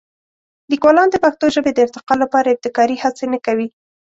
لیکوالان د پښتو ژبې د ارتقا لپاره ابتکاري هڅې نه کوي.